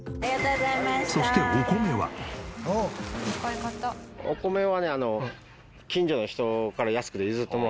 そしてお米はね。